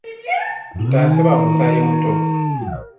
Tutaase bamusaaayi muto.